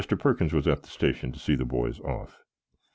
Perkins was at the station to see the boys off.